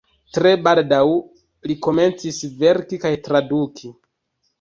Tre baldaŭ li komencis verki kaj traduki.